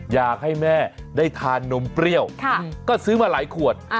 อยากให้แม่ได้ทานนมเปรี้ยวก็ซื้อมาหลายขวด